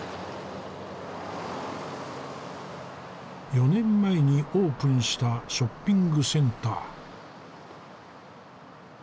４年前にオープンしたショッピングセンター。